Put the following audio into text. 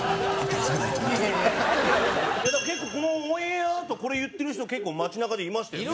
結構このオンエアあとこれ言ってる人結構街なかでいましたよね。